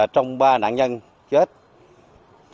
trong ba nạn nhân chết